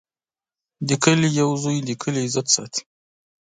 د کلي یو زوی د کلي عزت ساتي.